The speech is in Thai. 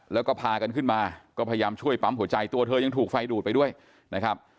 แล้วก็พากันขึ้นมาก็พยายามช่วยปั๊มหัวใจตัวเธอยังถูกไฟดูดไปด้วยนะครับ